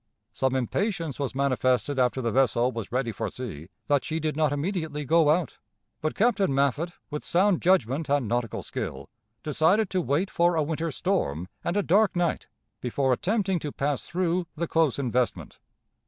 Some impatience was manifested after the vessel was ready for sea that she did not immediately go out, but Captain Maffitt, with sound judgment and nautical skill, decided to wait for a winter storm and a dark night before attempting to pass through the close investment.